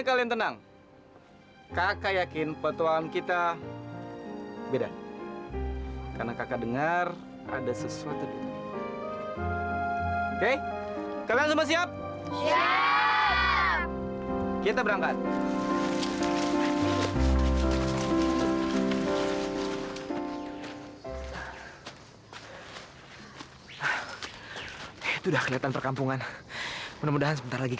sampai jumpa di video selanjutnya